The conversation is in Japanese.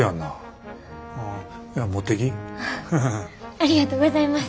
ありがとうございます！